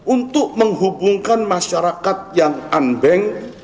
untuk menghubungkan masyarakat yang unbank